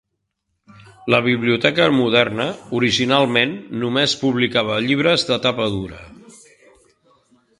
La Biblioteca Moderna originalment només publicava llibres de tapa dura.